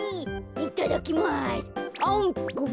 いただきます。